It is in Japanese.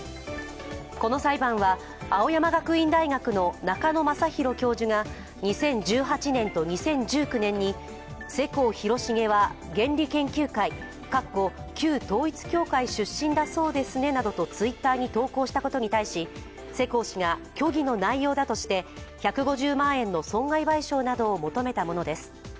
この裁判は青山学院大学の中野昌宏教授が２０１８年と２０１９年に世耕弘成は原理研究会出身だそうですねなどとＴｗｉｔｔｅｒに投稿したことに対し、世耕氏が虚偽の内容だとして１５０万円の損害賠償などを求めたものです。